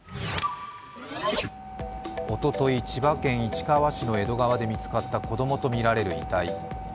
おととい、千葉県市川市で見つかった子供とみられる遺体。